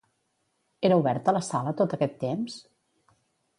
Era oberta la sala tot aquest temps?